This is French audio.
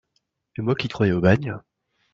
Et moi qui te croyais au bagne !